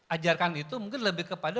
ajarkan itu mungkin lebih kepada